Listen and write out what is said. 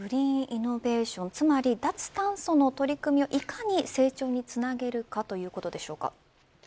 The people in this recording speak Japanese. つまり脱炭素の取り組みをいかに成長につなげるかということですか。